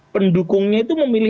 pendukungnya itu memilih